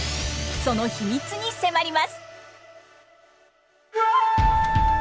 その秘密に迫ります。